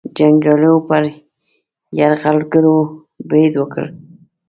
جنګیالیو پر یرغلګرو برید وکړ.